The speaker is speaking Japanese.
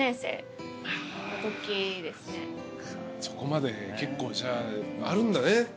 そこまで結構じゃああるんだね。